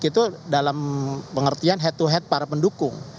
itu dalam pengertian head to head para pendukung